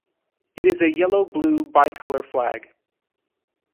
It is a yellow-blue bicolor flag.